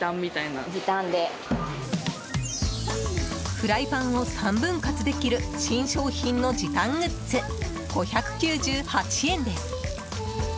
フライパンを３分割できる新商品の時短グッズ５９８円です。